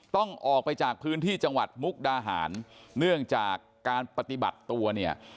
ต้องออกไปจากพื้นที่จังหวัดมุกดาหารเนื่องจากการปฏิบัติตัวเนี่ย